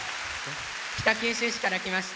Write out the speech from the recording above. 北九州市から来ました。